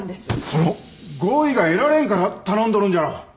その合意が得られんから頼んどるんじゃろ！